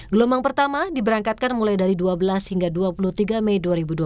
gelombang pertama diberangkatkan mulai dari dua belas hingga dua puluh tiga mei dua ribu dua puluh